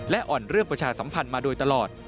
และอ่อนเรื่องประชาสัมพันธ์มาโดยตลอด